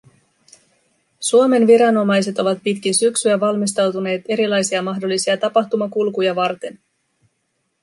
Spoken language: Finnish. Suomen viranomaiset ovat pitkin syksyä valmistautuneet erilaisia mahdollisia tapahtumakulkuja varten.